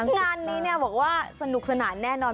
งานนี้บอกว่าสนุกสนานแน่นอน